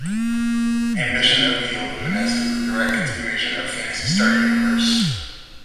"Ambition of the Illuminus" is a direct continuation of "Phantasy Star Universe".